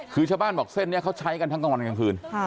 คือชาวบ้านบอกเส้นนี้เขาใช้กันทั้งกลางวันกลางคืน